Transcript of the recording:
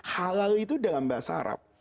halal itu dalam bahasa arab